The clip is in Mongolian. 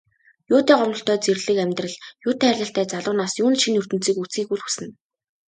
Юутай гомдолтой зэрлэг амьдрал, юутай хайрлалтай залуу нас, юунд шинэ ертөнцийг үзэхийг үл хүснэ.